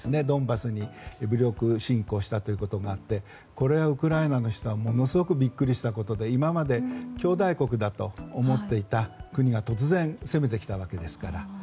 ドンバスに武力侵攻したということになってこれはウクライナの人はものすごくビックリしたことで今まで兄弟国だと思っていた国が突然攻めてきたわけですから。